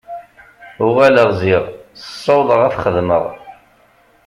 Uɣaleɣ ziɣ, ssawḍeɣ ad t-xedmeɣ.